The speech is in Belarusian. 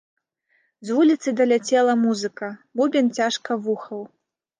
З вуліцы даляцела музыка, бубен цяжка вухаў.